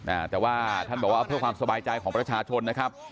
อ่าแต่ว่าท่านบอกว่าเพื่อความสบายใจของประชาชนนะครับ